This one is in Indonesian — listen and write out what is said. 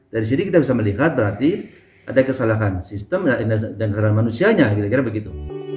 dari sini kita bisa melihat berarti ada kesalahan sistem dan kesalahan manusianya kira kira begitu